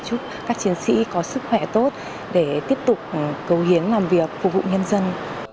chúc các chiến sĩ có sức khỏe tốt để tiếp tục cống hiến làm việc phục vụ nhân dân